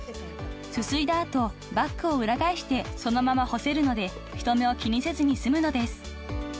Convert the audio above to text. ［すすいだ後バッグを裏返してそのまま干せるので人目を気にせずに済むのです］